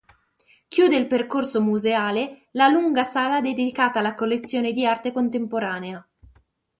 Chiude il percorso museale la lunga sala dedicata alla collezione di arte contemporanea.